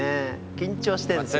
緊張してるんですよ。